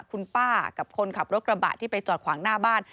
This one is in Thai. คุณป้ากับคนขับรถกระบะที่ไปจอดขวางหน้าบ้าน